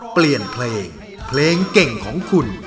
เปลี่ยนเพลงเพลงเก่งของคุณ